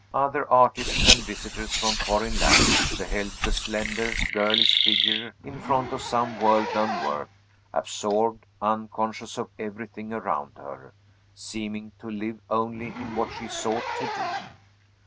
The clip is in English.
Other artists and visitors from foreign lands beheld the slender, girlish figure in front of some world known work, absorbed, unconscious of everything around her, seeming to live only in what she sought to do.